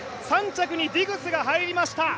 ３着にディグスが入りました。